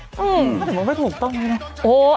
อืมถึงมันไม่ถูกต้องเลยนะ